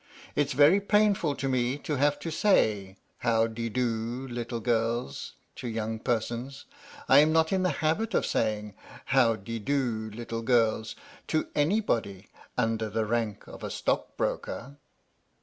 " It 's very painful to me to have to say ' How de do, little girls ' to young persons. I'm not in the habit of saying 'How de do, little girls' to anybody under the rank of a stockbroker."